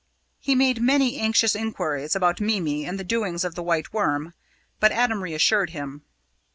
He made many anxious enquiries about Mimi, and the doings of the White Worm, but Adam reassured him.